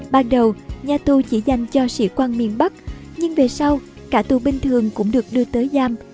ban đầu nhà tù chỉ dành cho sĩ quan miền bắc nhưng về sau cả tù bình thường cũng được đưa tới giam